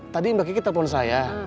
tadi mbak kiki telepon saya